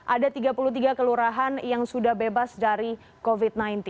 ada tiga puluh tiga kelurahan yang sudah bebas dari covid sembilan belas